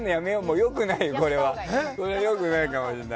良くないかもしれない。